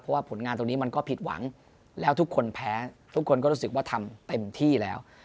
เพราะว่าผลงานตรงนี้มันก็ผิดหวังแล้วทุกคนแพ้ทุกคนก็รู้สึกว่าทำเต็มที่แล้ว